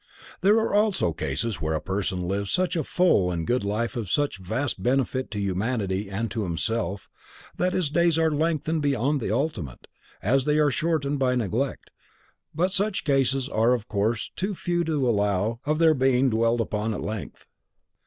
There are also cases where a person lives such a full and good life of such vast benefit to humanity and to himself, that his days are lengthened beyond the ultimate, as they are shortened by neglect, but such cases are of course too few to allow of their being dwelt upon at length.